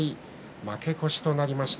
負け越しとなりました。